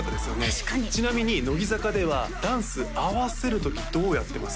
確かにちなみに乃木坂ではダンス合わせるときどうやってます？